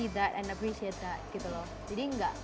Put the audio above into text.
sampai jumpa di video selanjutnya